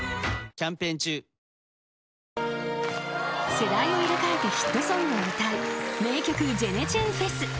［世代を入れ替えてヒットソングを歌う『名曲！ジェネチェンＦＥＳ』］